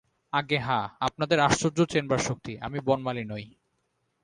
আজ্ঞে হাঁ– আপনাদের আশ্চর্য চেনবার শক্তি– আমি বনমালী নই।